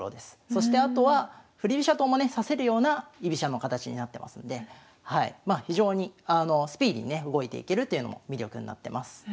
そしてあとは振り飛車党もね指せるような居飛車の形になってますんでまあ非常にスピーディーにね動いていけるというのも魅力になってます。